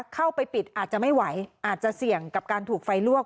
เข้าไปปิดอาจจะไม่ไหวอาจจะเสี่ยงกับการถูกไฟลวก